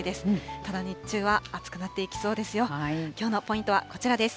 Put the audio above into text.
ただ、日中は暑くなっていきそうですよ。